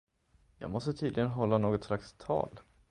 Jag måste tydligen hålla något slags tal.